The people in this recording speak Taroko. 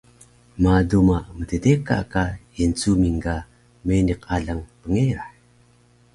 ma duma mddeka ka Yencuming ga meniq alang pngerah